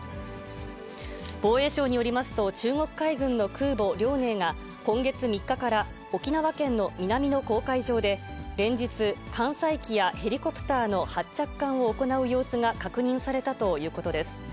防衛省によりますと、中国海軍の空母、遼寧が、今月３日から沖縄県の南の公海上で、連日、艦載機やヘリコプターの発着艦を行う様子が確認されたということです。